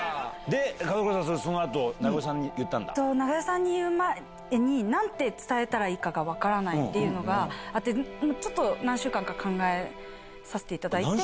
で、門倉さん、長与さんに言う前に、なんて伝えたらいいかが分からないっていうのがあって、ちょっと何週間か考えさせていただいて。